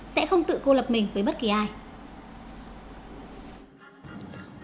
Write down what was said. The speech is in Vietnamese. sẽ không tự cô lập mình với bất kỳ ai